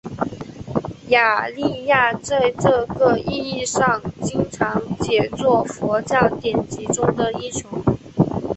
雅利亚在这个意义上经常解作佛教典籍中的英雄。